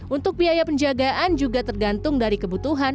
untuk biaya penjagaan juga tergantung dari kebutuhan